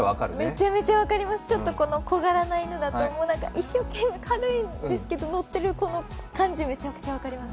めちゃめちゃ分かります、ちょっと小柄な犬だと一生懸命、軽いんですけど乗ってる感じめちゃくちゃ分かります。